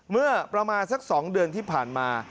เมื่อประมาณสัก๒เดือนที่ผ่านมา